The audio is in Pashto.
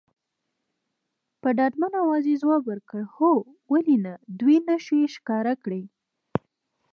په ډاډمن اواز یې ځواب ورکړ، هو ولې نه، دوې نښې یې ښکاره کړې.